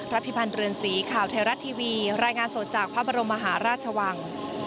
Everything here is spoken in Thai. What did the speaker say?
พิพันธ์เรือนสีข่าวไทยรัฐทีวีรายงานสดจากพระบรมมหาราชวัง